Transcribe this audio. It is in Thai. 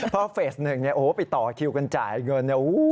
เพราะว่าเฟส๑ไปต่อคิวกันจ่ายเงิน